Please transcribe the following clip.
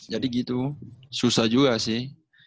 jadi gitu susah juga sih